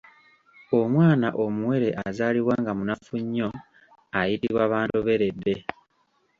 Omwana omuwere azaalibwa nga munafu nnyo ayitibwa bandoberedde.